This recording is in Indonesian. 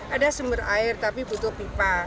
ada sumber air tapi butuh pipa